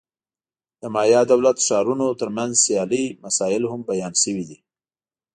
د مایا دولت-ښارونو ترمنځ سیالۍ مسایل هم بیان شوي دي.